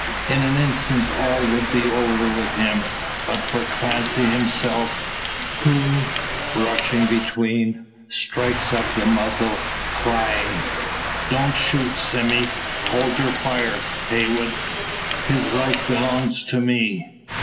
In an instant all would be over with him, but for Clancy himself; who, rushing between, strikes up the muzzles, crying: "Don't shoot, Sime! Hold your fire, Heywood! His life belongs to me!"